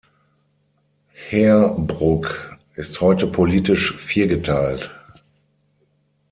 Heerbrugg ist heute politisch viergeteilt.